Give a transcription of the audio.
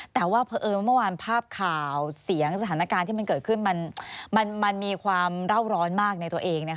แต่ว่าเพราะเอิญว่าเมื่อวานภาพข่าวเสียงสถานการณ์ที่มันเกิดขึ้นมันมีความเล่าร้อนมากในตัวเอง